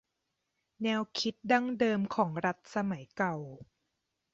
แนวคิดดั้งเดิมของรัฐสมัยเก่า